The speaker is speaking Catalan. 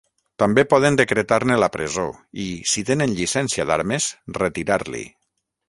També poden decretar-ne la presó i, si tenen llicència d'armes, retirar-li.